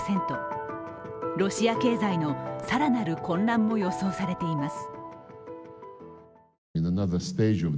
ロシア経済の更なる混乱も予想されています。